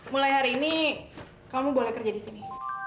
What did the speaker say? mulai hari ini kamu boleh kerja di sini